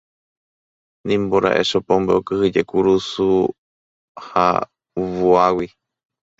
Nimbora'e Chopombe okyhyje kurusu ha vuágui.